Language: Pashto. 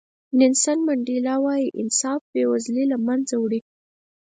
نیلسن منډیلا وایي انصاف بې وزلي له منځه وړي.